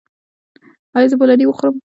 ایا زه بولاني وخورم؟